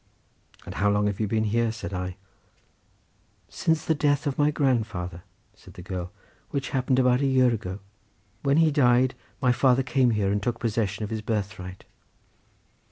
"And how long have you been here?" said I. "Since the death of my grandfather," said the girl, "which happened about a year ago. When he died my father came here and took possession of his birthright."